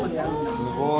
すごい。